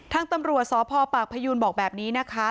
ทางตำรวจสพปากพยูนบอกแบบนี้นะคะ